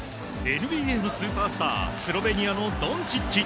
ＮＢＡのスーパースタースロベニアのドンチッチ。